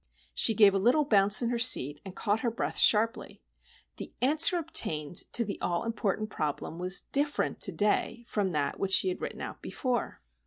She gave a little bounce in her seat, and caught her breath sharply. The answer obtained to the all important problem was different to day from that which she had written out before!